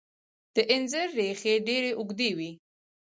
د انځر ریښې ډیرې اوږدې وي.